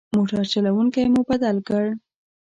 موټر چلوونکی مو بدل کړ.